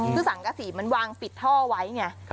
คือสังฆศีมันพิดท่อไว้นะ